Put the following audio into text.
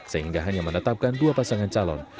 sehingga hanya menetapkan dua pasangan calon